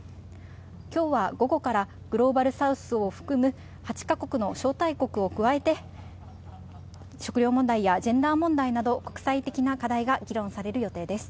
きょうは午後から、グローバルサウスを含む８か国の招待国を加えて、食料問題やジェンダー問題など、国際的な課題が議論される予定です。